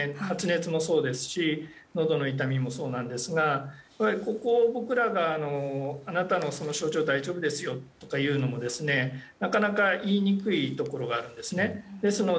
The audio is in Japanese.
発熱もそうですしのどの痛みもそうなんですがここを僕らが、あなたの症状大丈夫ですよというのもなかなか言いにくいところがあるんです。